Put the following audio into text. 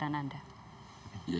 apa yang terlintas di pikiran anda